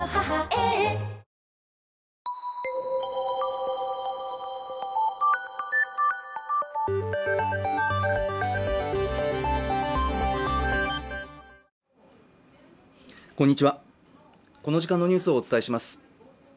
こんにちはこの時間のニュースをお伝えします